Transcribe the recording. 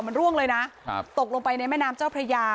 มันร่วงเลยนะครับตกลงไปในแม่น้ำเจ้าพระยา